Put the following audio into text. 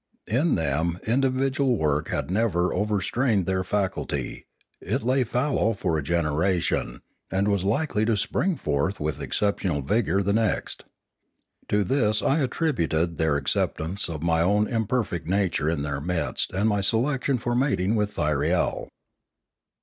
In them individual work had never overstrained their faculty; it lay fallow for a generation and was likely to spring forth with ex ceptional vigour the next. To this I attributed their acceptance of my own imperfect nature in their midst and my selection for mating with Thyriel.